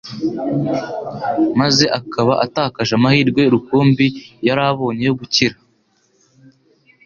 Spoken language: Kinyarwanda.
maze akaba atakaje amahirwe rukumbi yari abonye yo gukira.